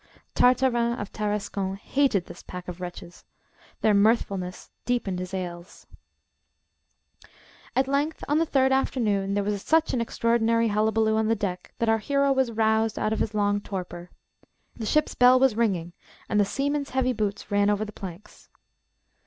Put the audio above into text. Tartarin of Tarascon hated this pack of wretches; their mirthfulness deepened his ails. At length, on the third afternoon, there was such an extraordinary hullabaloo on the deck that our hero was roused out of his long torpor. The ship's bell was ringing and the seamen's heavy boots ran over the planks.